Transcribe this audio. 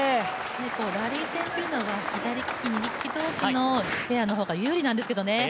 ラリー戦っていうのは左利き、右利きのペアの方が有利なんですけどね。